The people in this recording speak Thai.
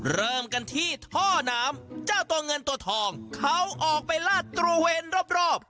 เริ่มกันที่ท่อน้ำเจ้าตัวเงินตัวทองเขาออกไปลาดตระเวนรอบ